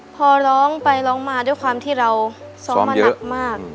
พอร้องไปร้องมาด้วยความที่เราซ้อมมาหนักมาก